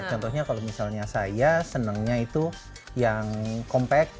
contohnya kalau misalnya saya senangnya itu yang compact